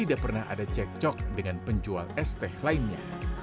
tidak pernah ada cek cok dengan penjual esteh lainnya